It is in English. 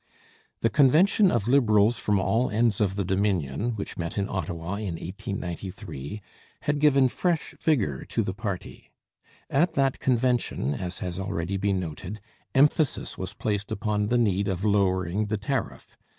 The convention of Liberals from all ends of the Dominion, which met at Ottawa in 1893, had given fresh vigour to the party. At that convention, as has already been noted, emphasis was placed upon the need of lowering the tariff.